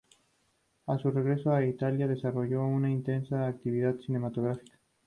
A su regreso a Italia, desarrolló una intensa actividad cinematográfica.